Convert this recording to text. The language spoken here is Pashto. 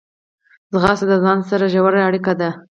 منډه د ځان سره ژوره اړیکه ده